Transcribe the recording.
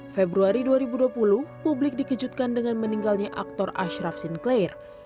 februari dua ribu dua puluh publik dikejutkan dengan meninggalnya aktor ashraf sinclair